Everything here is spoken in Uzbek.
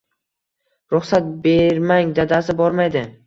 Ruxsat bermang, dadasi, bormaydi